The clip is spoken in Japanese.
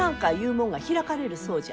もんが開かれるそうじゃ。